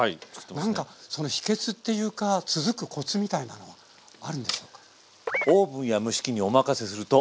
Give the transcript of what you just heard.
なんかその秘けつっていうか続くコツみたいなのはあるんでしょうか。